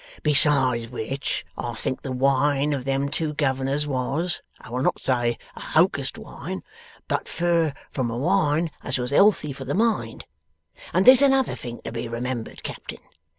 Besides which, I think the wine of them two Governors was I will not say a hocussed wine, but fur from a wine as was elthy for the mind. And there's another thing to be remembered, Captain.